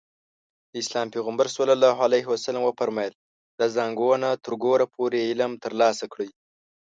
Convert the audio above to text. د اسلام پيغمبر ص وفرمايل له زانګو نه تر ګوره پورې علم ترلاسه کړئ.